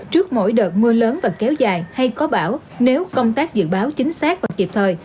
trước mỗi đợt mưa lớn và kéo dài hay có bão nếu công tác dự báo chính xác và kịp thời